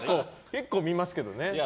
結構見ますけどね。